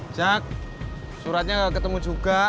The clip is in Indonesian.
jack suratnya gak ketemu juga